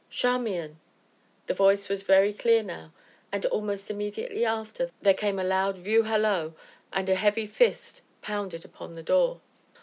"Charmian!" The voice was very near now, and, almost immediately after, there came a loud "view hallo," and a heavy fist pounded upon the door.